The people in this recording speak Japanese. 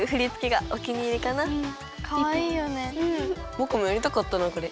ぼくもやりたかったなこれ。